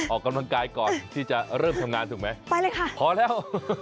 ออกกำลังกายก่อนที่จะเริ่มทำงานถูกไหมไปเลยค่ะพอแล้ว